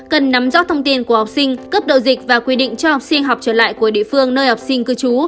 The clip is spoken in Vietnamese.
cần nắm rõ thông tin của học sinh cấp độ dịch và quy định cho học sinh học trở lại của địa phương nơi học sinh cư trú